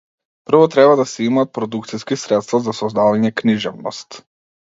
Прво треба да се имаат продукциски средства за создавање книжевност.